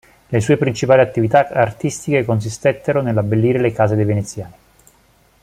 Le sue principali attività artistiche consistettero nell'abbellire le case dei veneziani.